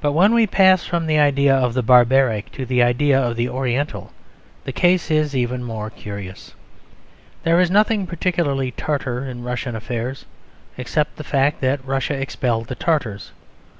But when we pass from the idea of the barbaric to the idea of the oriental, the case is even more curious. There is nothing particularly Tartar in Russian affairs, except the fact that Russia expelled the Tartars.